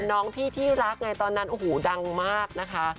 น้องพี่ที่รักไงตอนนั้นโอ้โหดังมากนะคะ